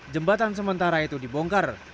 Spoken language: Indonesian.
jembatan sementara itu dibongkar